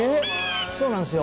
そうなんすよ。